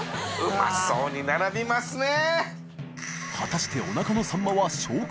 うまそうに並びますね。